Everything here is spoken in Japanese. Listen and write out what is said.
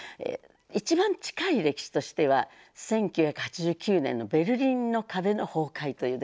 一番近い歴史としては１９８９年のベルリンの壁の崩壊という出来事です。